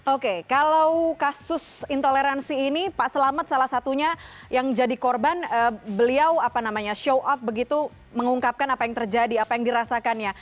oke kalau kasus intoleransi ini pak selamet salah satunya yang jadi korban beliau apa namanya show up begitu mengungkapkan apa yang terjadi apa yang dirasakannya